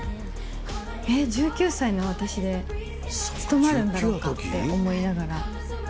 え、１９歳の私で務まるんだろうかって思いながら。